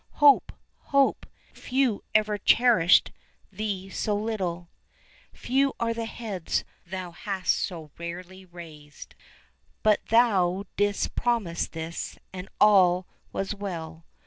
Hope! Hope! few ever cherisht thee so little; Few are the heads thou hast so rarely raised; 15 But thou didst promise this, and all was well.